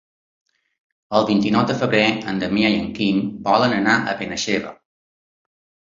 El vint-i-nou de febrer en Damià i en Quim volen anar a Benaixeve.